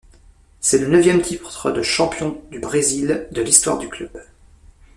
C'est le neuvième titre de champion du Brésil de l'histoire du club.